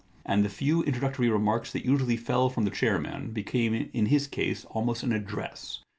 And the few introductory remarks that usually fell from the chairman became in his case almost an address.